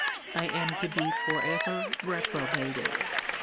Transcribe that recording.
I am to be for ever reprobated.